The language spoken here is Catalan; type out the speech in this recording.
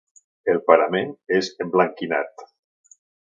El parament és emblanquinat.